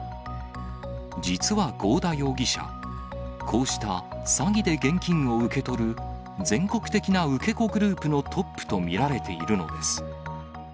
実は合田容疑者、こうした詐欺で現金を受け取る全国的な受け子グループのトップと見られているのです。